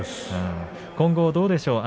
今後、どうでしょう。